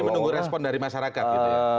jadi menunggu respon dari masyarakat gitu ya